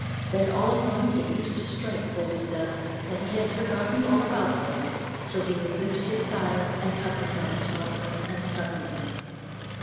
Then all at once it used to strike Old Death, that he had forgotten all about them, so he would lift his scythe, and cut them down smartly and suddenly.